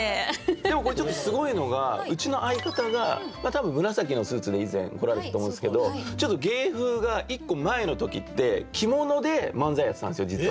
でもこれちょっとすごいのがうちの相方が多分紫のスーツで以前来られたと思うんですけどちょっと芸風が１個前の時って着物で漫才やってたんですよ実は。